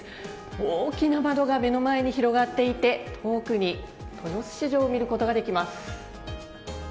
大きな窓が目の前に広がっていて遠くに豊洲市場を見ることができます。